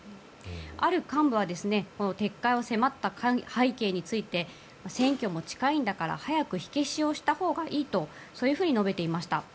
ある幹部は撤回を迫った背景について選挙も近いんだから早く火消しをしたほうがいいとそういうふうに述べていました。